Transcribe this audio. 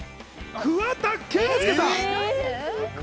桑田佳祐さん！